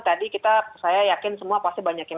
tadi kita saya yakin semua pasti banyak yang